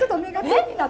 えっ。